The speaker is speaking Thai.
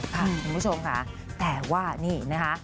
คุณผู้ชมค่ะแต่ว่านี่นะคะ